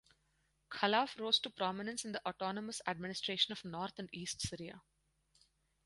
Khalaf rose to prominence in the Autonomous Administration of North and East Syria.